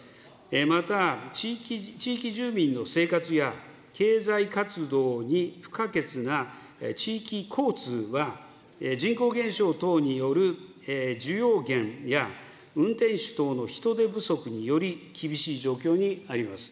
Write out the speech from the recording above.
また、地域住民の生活や経済活動に不可欠な地域交通は、人口減少等による需要減や、運転手等の人手不足により、厳しい状況にあります。